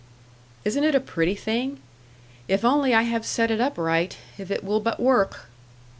"Isn't it a pretty thing? If only I have set it up right if it will but work."